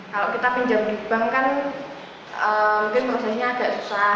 kalau kita pinjam di bank kan mungkin prosesnya agak susah